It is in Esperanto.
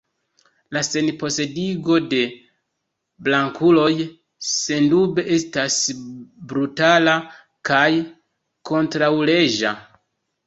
La senposedigo de blankuloj sendube estas brutala kaj kontraŭleĝa.